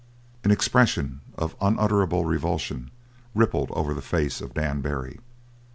An expression of unutterable revulsion rippled over the face of Dan Barry.